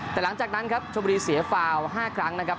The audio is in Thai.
แต่หลังจากนั้นครับชมบุรีเสียฟาว๕ครั้งนะครับ